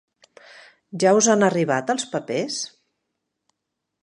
Ja us han arribat els papers?